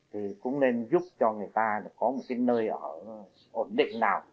thì cũng nên giúp cho người ta có một cái nơi ở ổn định nào